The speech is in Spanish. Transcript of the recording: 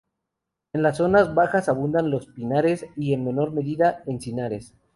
En las zonas bajas abundan los pinares y en menor medida encinares.